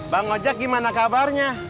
bang ojek gimana kabarnya